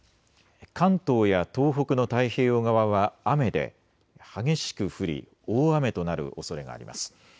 関東や東北の太平洋側は雨で激しく降り大雨となるおそれがあります。